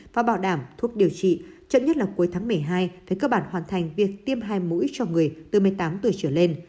và bảo đảm thuốc điều trị chậm nhất là cuối tháng một mươi hai phải cơ bản hoàn thành việc tiêm hai mũi cho người từ một mươi tám tuổi trở lên